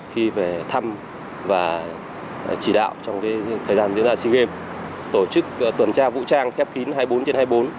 khi về thăm và chỉ đạo trong thời gian diễn ra sea games tổ chức tuần tra vũ trang khép kín hai mươi bốn trên hai mươi bốn